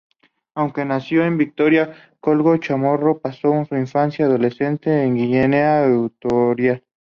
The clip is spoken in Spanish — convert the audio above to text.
Aunque nacido en Vitoria, Koldo Chamorro pasó su infancia y adolescencia en Guinea Ecuatorial.